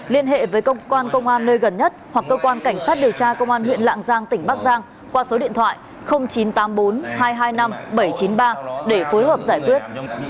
liên hệ với công an nơi gần nhất hoặc cơ quan cảnh sát điều tra công an huyện lạng giang tỉnh bắc giang qua số điện thoại chín trăm tám mươi bốn hai trăm hai mươi năm bảy trăm chín mươi ba để phối hợp giải quyết